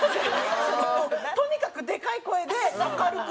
とにかくでかい声で明るく。